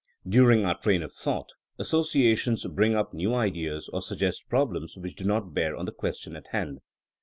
Dur ing our train of thought associations bring up new ideas or suggest problems which do not bear on the question at hand.